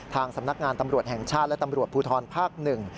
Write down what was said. สำนักงานตำรวจแห่งชาติและตำรวจภูทรภาคหนึ่ง